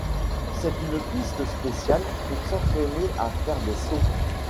C'est une piste spéciale pour s'entraîner à faire des sauts.